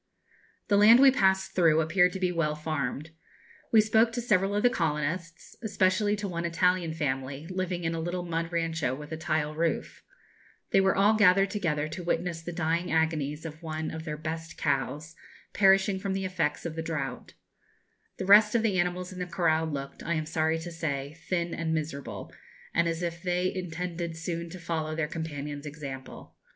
The land we passed through appeared to be well farmed. We spoke to several of the colonists, especially to one Italian family, living in a little mud rancho with a tile roof. They were all gathered together to witness the dying agonies of one of their best cows, perishing from the effects of the drought. The rest of the animals in the corral looked, I am sorry to say, thin and miserable, and as if they intended soon to follow their companion's example.